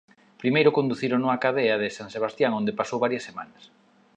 Primeiro conducírono á cadea de San Sebastián onde pasou varias semanas.